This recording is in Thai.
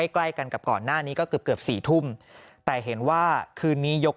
ใกล้กันกับก่อนหน้านี้ก็เกือบเกือบสี่ทุ่มแต่เห็นว่าคืนนี้ยก